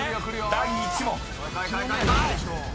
［第１問］